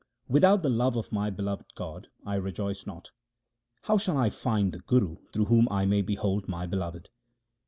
Without the love of my beloved God, I rejoice not. How shall I find the Guru through whom I may behold my Beloved